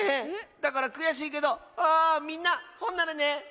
だからくやしいけどあみんなほんならねさいなら。